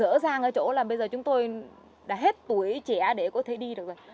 rõ ràng ở chỗ là bây giờ chúng tôi đã hết tuổi trẻ để có thể đi được rồi